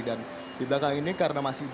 dan di belakang ini karena masih terlambat